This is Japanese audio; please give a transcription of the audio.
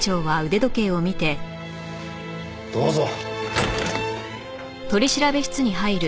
どうぞ。